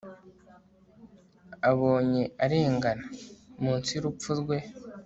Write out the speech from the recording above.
abonye arengana, munsi y'urupfu rwe